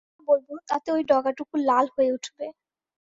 যা বলব তাতে ঐ ডগাটুকু লাল হয়ে উঠবে।